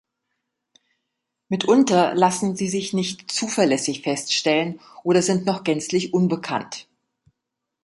Mitunter lassen sie sich nicht zuverlässig feststellen oder sind noch gänzlich unbekannt.